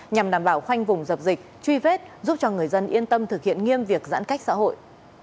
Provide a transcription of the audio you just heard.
nhằm đảm bảo khoanh vùng dập dịch truy vết giúp cho người dân yên tâm thực hiện nghiêm việc giãn cách xã hội